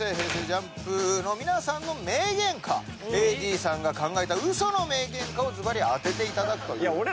ＪＵＭＰの皆さんの名言かＡＤさんが考えたウソの名言かをずばり当てていただくという。